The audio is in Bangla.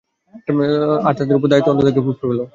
আর তাদের দায়িত্ব তার অন্তর থেকে তা উপড়ে ফেলা।